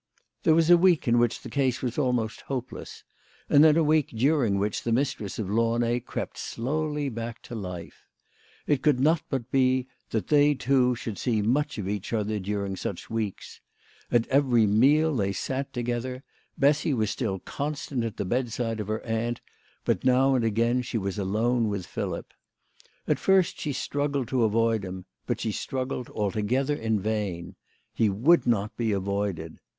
There was a week in which the case was almost hope less ; and then a week during which the mistress of Launay crept slowly back to life. It could not but be that they two should see much of each other during such weeks. At every meal they sat together. Bessy was still constant at the bedside of her aunt, but now and again she was alone with Philip. At first she struggled to avoid him, but she struggled altogether in vain. He would not be avoided.